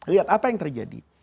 lihat apa yang terjadi